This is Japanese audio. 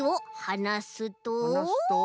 はなすと？